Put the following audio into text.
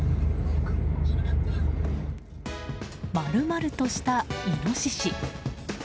丸々としたイノシシ。